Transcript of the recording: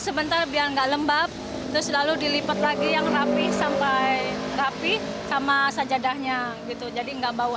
sebentar biar enggak lembab terus lalu dilipat lagi